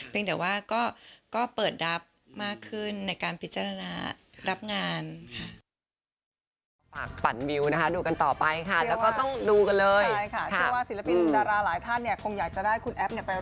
เป็นแต่ว่าก็เปิดรับมากขึ้นในการพิจารณารับงาน